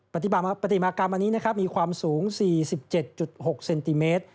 ปฏิบัติกรรมอันนี้มีความสูง๔๗๖เซนติเมตร